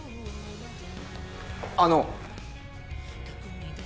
あの。